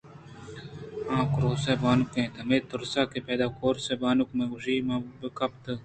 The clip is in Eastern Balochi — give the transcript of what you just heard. آ کروس ءِ بانگ اِنت) ہمے تُرس ءَ کہ پدا کُروس ءِ بانگ منی گوشاں مہ کپیت